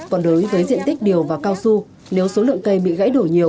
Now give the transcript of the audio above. còn đối với diện tích đều và cao su nếu số lượng cây bị gãy đổ